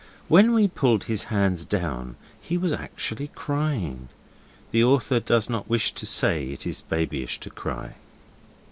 When we pulled his hands down he was actually crying. The author does not wish to say it is babyish to cry.